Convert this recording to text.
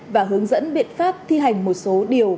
và hướng dẫn biện pháp thi hành một số điều